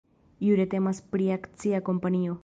Jure temas pri akcia kompanio.